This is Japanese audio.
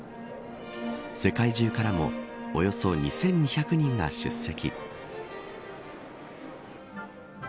世界中からもおよそ２２００人が出席。